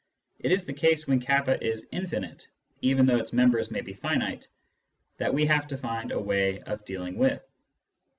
It is the case when k is infinite, even though its members may be finite, that we have to find a way of dealing with.